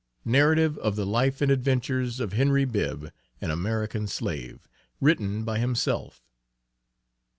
NARRATIVE OF THE LIFE AND ADVENTURES OF HENRY BIBB, AN AMERICAN SLAVE, WRITTEN BY HIMSELF.